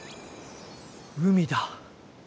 海だ！